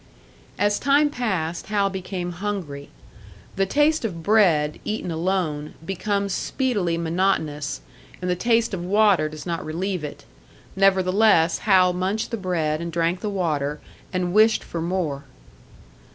As time passed, Hal became hungry. The taste of bread, eaten alone, becomes speedily monotonous, and the taste of water does not relieve it; nevertheless, Hal munched the bread, and drank the water, and wished for more.